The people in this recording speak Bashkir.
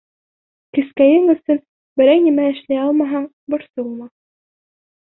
Кескәйең өсөн берәй нәмә эшләй алмаһаң, борсолма.